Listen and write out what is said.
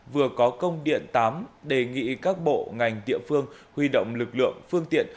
vừa có công điện tám đề nghị các bộ ngành địa phương huy động lực lượng phương tiện